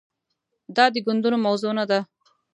دا د ګوندونو موضوع نه ده.